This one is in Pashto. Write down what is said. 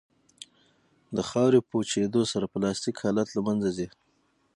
د خاورې په وچېدو سره پلاستیک حالت له منځه ځي